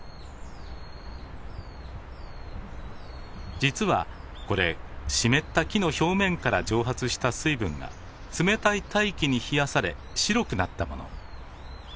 実はこれ湿った木の表面から蒸発した水分が冷たい大気に冷やされ白くなったもの。